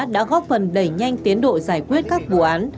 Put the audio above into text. đã góp phần đẩy nhanh tiến độ giải quyết các vụ án